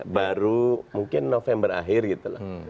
baru mungkin november akhir gitu loh